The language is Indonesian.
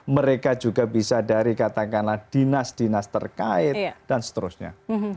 mereka juga bisa dari katakanlah dinas dinas terkait dan seterusnya